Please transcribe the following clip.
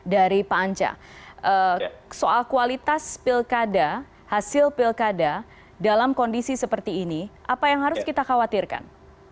dari pak anca soal kualitas pilkada hasil pilkada dalam kondisi seperti ini apa yang harus kita khawatirkan